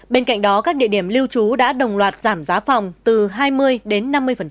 bên cạnh đó các địa điểm lưu trú đã đồng loạt giảm giá phòng từ hai mươi đến năm mươi